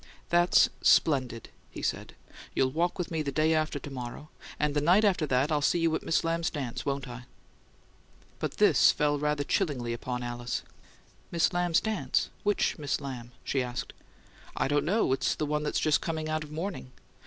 "That's splendid!" he said. "You'll walk with me day after to morrow, and the night after that I'll see you at Miss Lamb's dance, won't I?" But this fell rather chillingly upon Alice. "Miss Lamb's dance? Which Miss Lamb?" she asked. "I don't know it's the one that's just coming out of mourning."